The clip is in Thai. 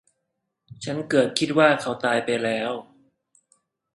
ฉันเกือบคิดว่าเขาตายไปแล้ว